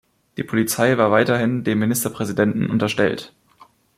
Die Polizei war weiterhin dem Ministerpräsidenten unterstellt.